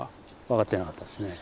分かってなかったですね。